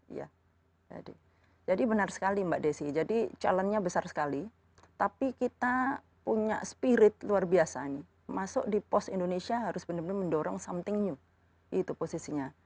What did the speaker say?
iya jadi benar sekali mbak desi jadi challenge nya besar sekali tapi kita punya spirit luar biasa ini masuk di pos indonesia harus benar benar mendorong something new itu posisinya